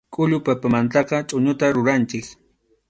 Khullu papamantaqa chʼuñuta ruranchik.